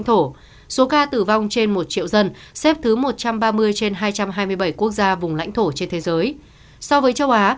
tử vong trên một triệu dân xếp thứ hai mươi năm trên bốn mươi chín quốc gia vùng lãnh thổ châu á